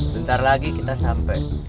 bentar lagi kita sampai